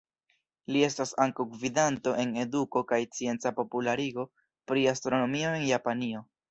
Li estas ankaŭ gvidanto en eduko kaj scienca popularigo pri astronomio en Japanio.